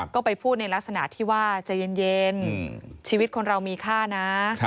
ก็ไปพูดในลักษณะที่ว่าใจเย็นชีวิตคนเรามีค่านะ